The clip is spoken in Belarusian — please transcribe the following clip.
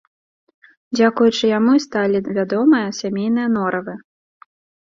Дзякуючы яму і сталі вядомыя сямейныя норавы.